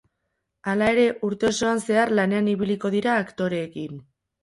Hala ere, urte osoan zehar lanean ibiliko dira aktoreekin.